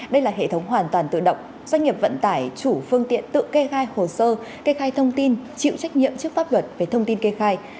đây là hệ thống hoàn toàn tự động doanh nghiệp vận tải chủ phương tiện tự kê khai hồ sơ kê khai thông tin chịu trách nhiệm trước pháp luật về thông tin kê khai